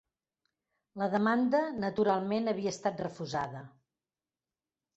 La demanda, naturalment, havia estat refusada.